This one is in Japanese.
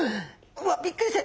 うわっびっくりした！